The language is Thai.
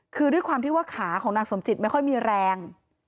คือด้วยความที่ว่าขาของนางสมจิตไม่ค่อยมีแรง